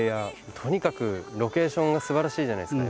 とにかくロケーションがすばらしいじゃないですか。